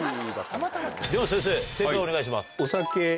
では先生正解お願いします。